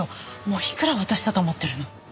もういくら渡したと思ってるの？